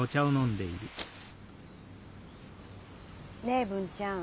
ねえ文ちゃん。